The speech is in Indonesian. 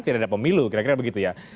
tidak ada pemilu kira kira begitu ya